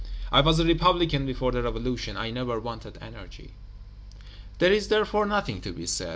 I was a Republican before the Revolution; I never wanted energy." There is therefore nothing to be said.